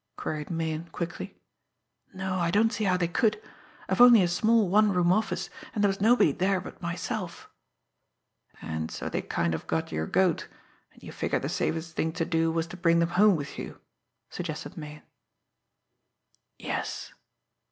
queried Meighan quickly. "No; I don't see how they could. I've only a small one room office, and there was nobody there but myself." "And so they kind of got your goat, and you figured the safest thing to do was to bring them home with you?" suggested Meighan. "Yes."